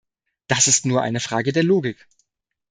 Das ist nur eine Frage der Logik.